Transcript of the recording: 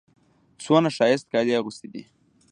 څونه ښایسته کالي يې اغوستي دي.